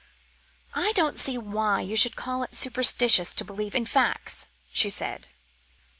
"I don't see why you should call it superstitious to believe in facts," she said.